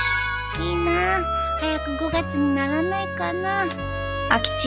いいなあ早く５月にならないかな